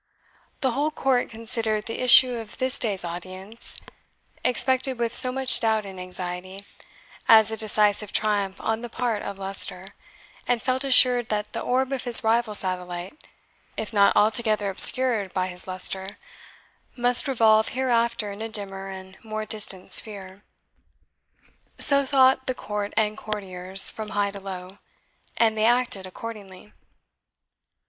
The whole court considered the issue of this day's audience, expected with so much doubt and anxiety, as a decisive triumph on the part of Leicester, and felt assured that the orb of his rival satellite, if not altogether obscured by his lustre, must revolve hereafter in a dimmer and more distant sphere. So thought the court and courtiers, from high to low; and they acted accordingly.